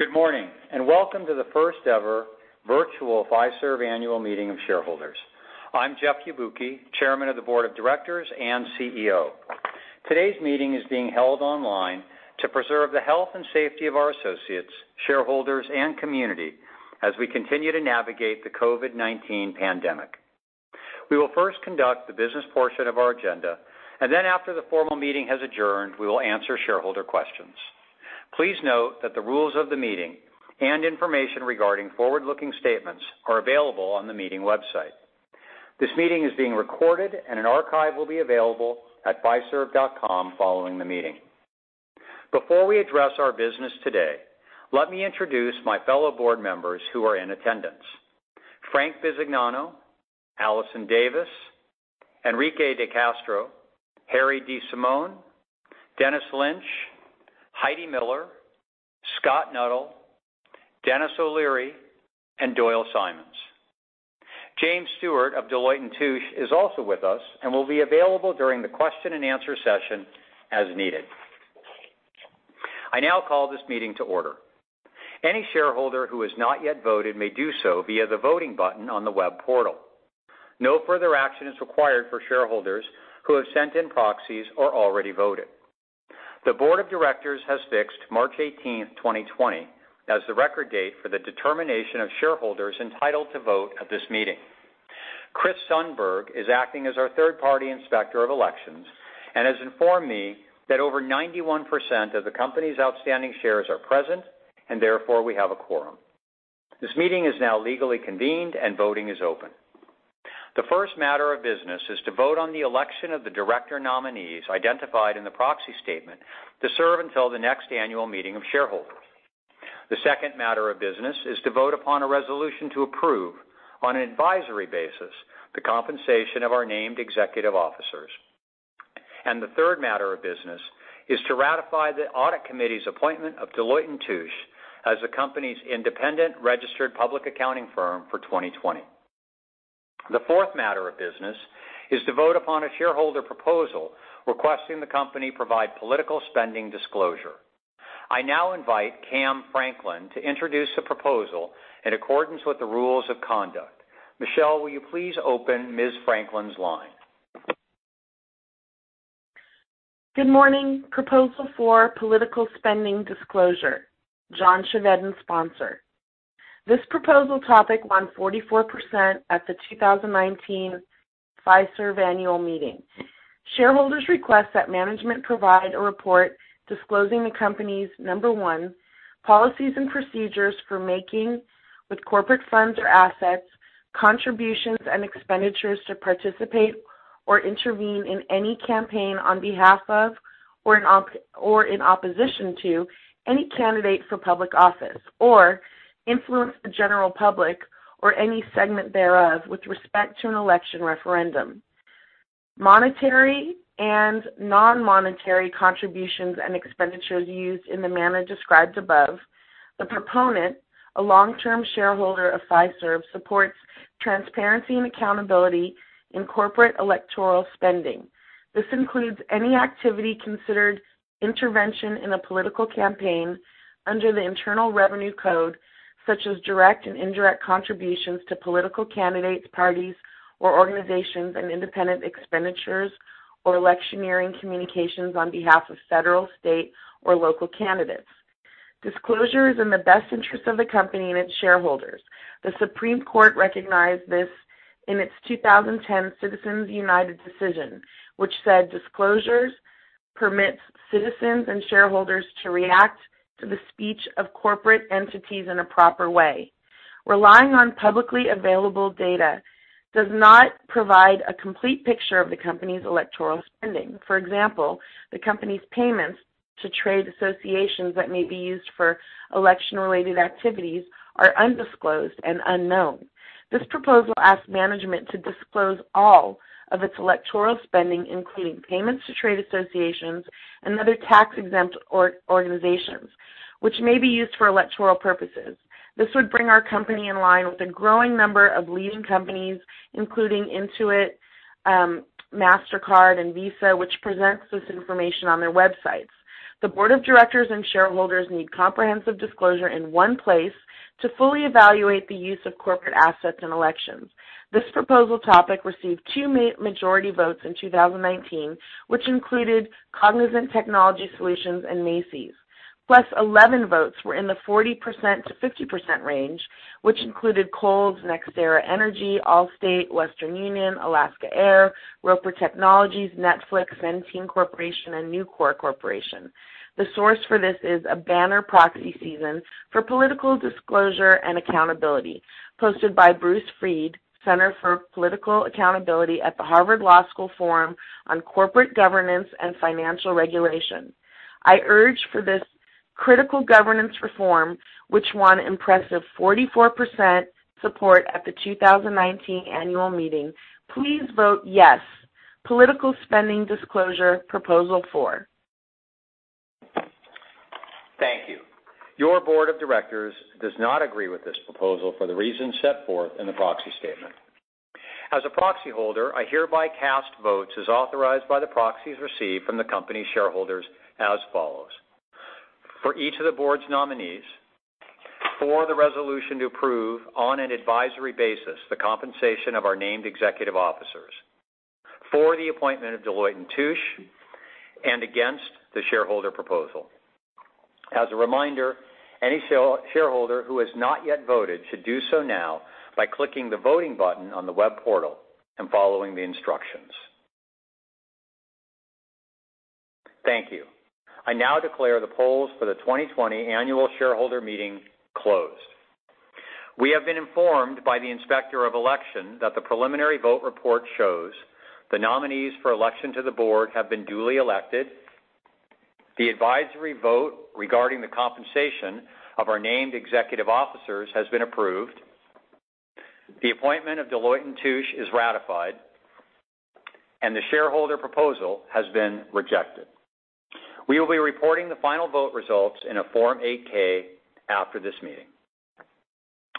Good morning, and welcome to the first ever virtual Fiserv annual meeting of shareholders. I'm Jeff Yabuki, Chairman of the Board of Directors and CEO. Today's meeting is being held online to preserve the health and safety of our associates, shareholders, and community as we continue to navigate the COVID-19 pandemic. We will first conduct the business portion of our agenda, and then after the formal meeting has adjourned, we will answer shareholder questions. Please note that the rules of the meeting and information regarding forward-looking statements are available on the meeting website. This meeting is being recorded, and an archive will be available at fiserv.com following the meeting. Before we address our business today, let me introduce my fellow board members who are in attendance. Frank Bisignano, Alison Davis, Henrique De Castro, Harry DiSimone, Dennis Lynch, Heidi Miller, Scott Nuttall, Denis O'Leary, and Doyle Simons. James Stewart of Deloitte & Touche is also with us and will be available during the question and answer session as needed. I now call this meeting to order. Any shareholder who has not yet voted may do so via the voting button on the web portal. No further action is required for shareholders who have sent in proxies or already voted. The board of directors has fixed March 18th, 2020, as the record date for the determination of shareholders entitled to vote at this meeting. Chris Sundberg is acting as our third-party inspector of elections and has informed me that over 91% of the company's outstanding shares are present and therefore we have a quorum. This meeting is now legally convened and voting is open. The first matter of business is to vote on the election of the director nominees identified in the proxy statement to serve until the next annual meeting of shareholders. The second matter of business is to vote upon a resolution to approve, on an advisory basis, the compensation of our named executive officers. The third matter of business is to ratify the audit committee's appointment of Deloitte & Touche as the company's independent registered public accounting firm for 2020. The fourth matter of business is to vote upon a shareholder proposal requesting the company provide political spending disclosure. I now invite Cam Franklin to introduce a proposal in accordance with the rules of conduct. Michelle, will you please open Ms. Franklin's line? Good morning. Proposal four, political spending disclosure, John Chevedden sponsor. This proposal topic won 44% at the 2019 Fiserv annual meeting. Shareholders request that management provide a report disclosing the company's, number one, policies and procedures for making, with corporate funds or assets, contributions and expenditures to participate or intervene in any campaign on behalf of or in opposition to any candidate for public office, or influence the general public or any segment thereof with respect to an election referendum. Monetary and non-monetary contributions and expenditures used in the manner described above. The proponent, a long-term shareholder of Fiserv, supports transparency and accountability in corporate electoral spending. This includes any activity considered intervention in a political campaign under the Internal Revenue Code, such as direct and indirect contributions to political candidates, parties, or organizations, and independent expenditures or electioneering communications on behalf of federal, state, or local candidates. Disclosure is in the best interest of the company and its shareholders. The Supreme Court recognized this in its 2010 Citizens United decision, which said disclosures permits citizens and shareholders to react to the speech of corporate entities in a proper way. Relying on publicly available data does not provide a complete picture of the company's electoral spending. For example, the company's payments to trade associations that may be used for election-related activities are undisclosed and unknown. This proposal asks management to disclose all of its electoral spending, including payments to trade associations and other tax-exempt organizations, which may be used for electoral purposes. This would bring our company in line with a growing number of leading companies, including Intuit, Mastercard, and Visa, which presents this information on their websites. The board of directors and shareholders need comprehensive disclosure in one place to fully evaluate the use of corporate assets in elections. This proposal topic received two majority votes in 2019, which included Cognizant Technology Solutions and Macy's. 11 votes were in the 40%-50% range, which included Kohl's, NextEra Energy, Allstate, Western Union, Alaska Air, Roper Technologies, Netflix, Vontier Corporation, and Nucor Corporation. The source for this is a banner proxy season for political disclosure and accountability, posted by Bruce Freed, Center for Political Accountability at the Harvard Law School Forum on Corporate Governance and Financial Regulation. I urge for this critical governance reform, which won impressive 44% support at the 2019 annual meeting. Please vote yes, political spending disclosure Proposal four. Thank you. Your board of directors does not agree with this proposal for the reasons set forth in the proxy statement. As a proxy holder, I hereby cast votes as authorized by the proxies received from the company's shareholders as follows: For each of the board's nominees, for the resolution to approve, on an advisory basis, the compensation of our named executive officers, for the appointment of Deloitte & Touche, and against the shareholder proposal. As a reminder, any shareholder who has not yet voted should do so now by clicking the voting button on the web portal and following the instructions. Thank you. I now declare the polls for the 2020 annual shareholder meeting closed. We have been informed by the Inspector of Elections that the preliminary vote report shows the nominees for election to the board have been duly elected, the advisory vote regarding the compensation of our named executive officers has been approved, the appointment of Deloitte & Touche is ratified, and the shareholder proposal has been rejected. We will be reporting the final vote results in a Form 8-K after this meeting.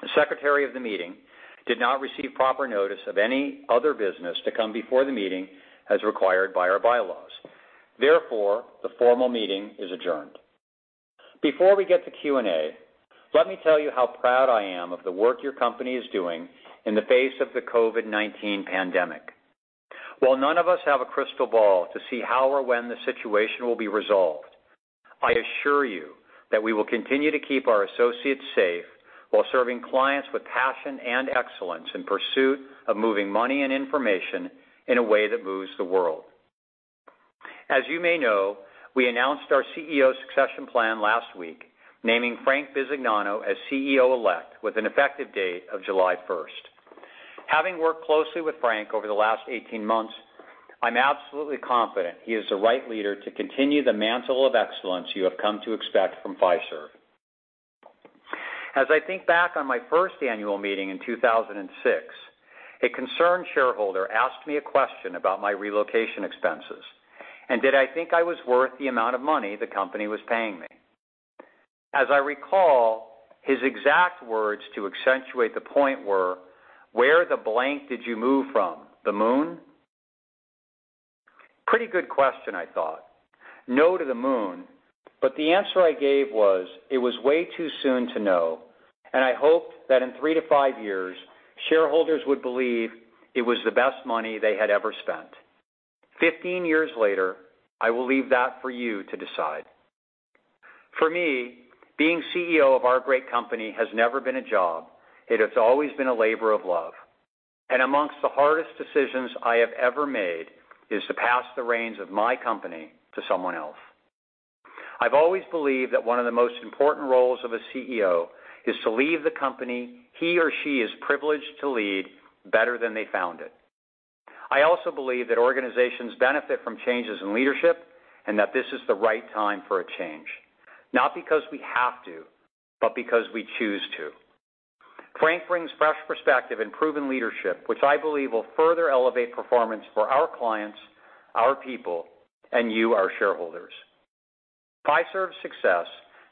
The secretary of the meeting did not receive proper notice of any other business to come before the meeting, as required by our bylaws. Therefore, the formal meeting is adjourned. Before we get to Q&A, let me tell you how proud I am of the work your company is doing in the face of the COVID-19 pandemic. While none of us have a crystal ball to see how or when the situation will be resolved, I assure you that we will continue to keep our associates safe while serving clients with passion and excellence in pursuit of moving money and information in a way that moves the world. As you may know, we announced our CEO succession plan last week, naming Frank Bisignano as CEO elect with an effective date of July 1st. Having worked closely with Frank over the last 18 months, I'm absolutely confident he is the right leader to continue the mantle of excellence you have come to expect from Fiserv. As I think back on my first annual meeting in 2006, a concerned shareholder asked me a question about my relocation expenses, and did I think I was worth the amount of money the company was paying me. As I recall, his exact words to accentuate the point were, "Where the blank did you move from? The moon?" Pretty good question, I thought. No to the moon, but the answer I gave was, it was way too soon to know, and I hoped that in 3-5 years, shareholders would believe it was the best money they had ever spent. 15 years later, I will leave that for you to decide. For me, being CEO of our great company has never been a job. It has always been a labor of love. Amongst the hardest decisions I have ever made is to pass the reins of my company to someone else. I've always believed that one of the most important roles of a CEO is to leave the company he or she is privileged to lead better than they found it. I also believe that organizations benefit from changes in leadership and that this is the right time for a change, not because we have to, but because we choose to. Frank brings fresh perspective and proven leadership, which I believe will further elevate performance for our clients, our people, and you, our shareholders. Fiserv's success,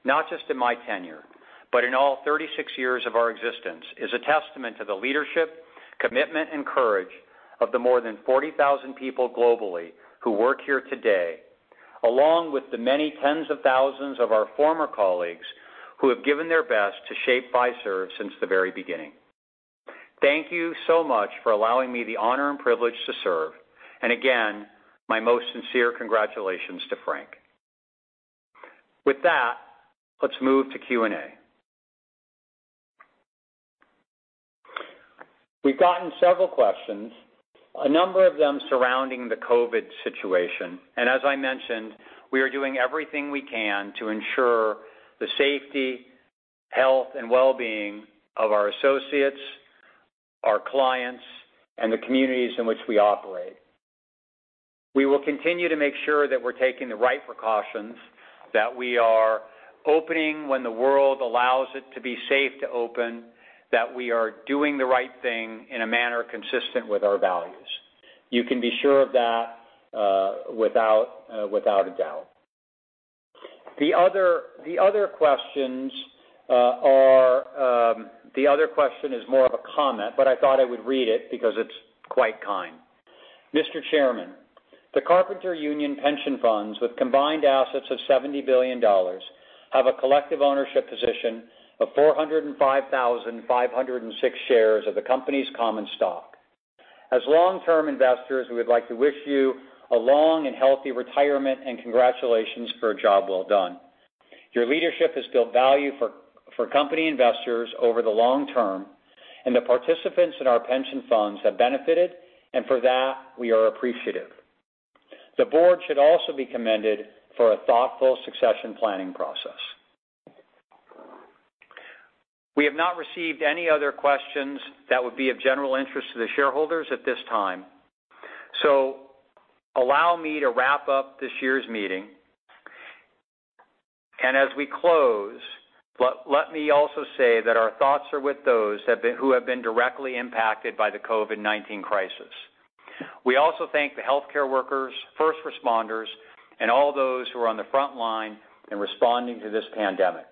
not just in my tenure, but in all 36 years of our existence, is a testament to the leadership, commitment, and courage of the more than 40,000 people globally who work here today, along with the many tens of thousands of our former colleagues who have given their best to shape Fiserv since the very beginning. Thank you so much for allowing me the honor and privilege to serve. Again, my most sincere congratulations to Frank. With that, let's move to Q&A. We've gotten several questions, a number of them surrounding the COVID-19 situation. As I mentioned, we are doing everything we can to ensure the safety, health, and well-being of our associates, our clients, and the communities in which we operate. We will continue to make sure that we're taking the right precautions, that we are opening when the world allows it to be safe to open, that we are doing the right thing in a manner consistent with our values. You can be sure of that without a doubt. The other question is more of a comment, but I thought I would read it because it's quite kind. "Mr. Chairman, the carpenter union pension funds with combined assets of $70 billion have a collective ownership position of 405,506 shares of the company's common stock. As long-term investors, we would like to wish you a long and healthy retirement and congratulations for a job well done. Your leadership has built value for company investors over the long term and the participants in our pension funds have benefited, and for that, we are appreciative. The board should also be commended for a thoughtful succession planning process. We have not received any other questions that would be of general interest to the shareholders at this time. Allow me to wrap up this year's meeting. As we close, let me also say that our thoughts are with those who have been directly impacted by the COVID-19 crisis. We also thank the healthcare workers, first responders, and all those who are on the front line in responding to this pandemic.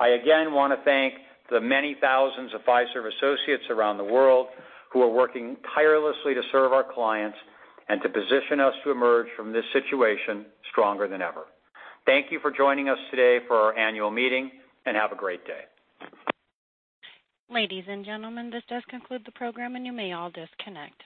I again want to thank the many thousands of Fiserv associates around the world who are working tirelessly to serve our clients and to position us to emerge from this situation stronger than ever. Thank you for joining us today for our annual meeting, and have a great day. Ladies and gentlemen, this does conclude the program and you may all disconnect.